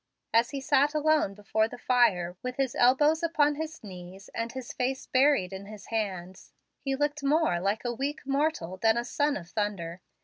As he sat alone before the fire, with his elbows upon his knees and his face buried in his hands, he looked more like a weak mortal than a "son of thunder."